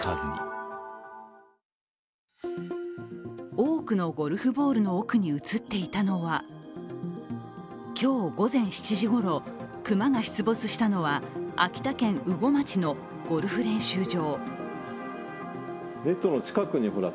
多くのゴルフボールの奥に映っていたのは今日午前７時ごろ、熊が出没したのは秋田県羽後町のゴルフ練習場。